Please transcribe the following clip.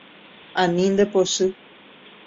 Ani ndepochy.